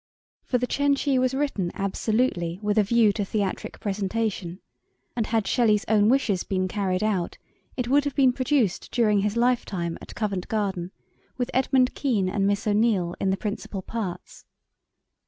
For The Cenci was written absolutely with a view to theatric presentation, and had Shelley's own wishes been carried out it would have been produced during his lifetime at Covent Garden, with Edmund Kean and Miss O'Neill in the principal parts.